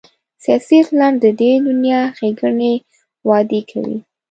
سیاسي اسلام د دې دنیا ښېګڼې وعدې کوي.